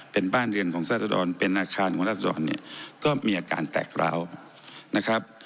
เป็นบ้านเรือนของราศดรเป็นอาคารของราศดรเนี่ยก็มีอาการแตกร้าวนะครับ